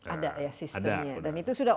ada ya sistemnya dan itu sudah